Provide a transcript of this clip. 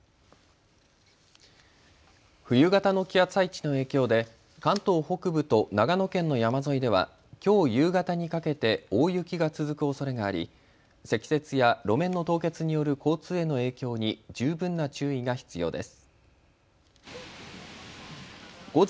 冬型の気圧配置の影響で関東北部と長野県の山沿いではきょう夕方にかけて大雪が続くおそれがあり積雪や路面の凍結による交通への影響に十分な注意が必要です。